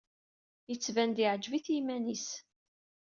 Yettban-d yeɛjeb-it yiman-is.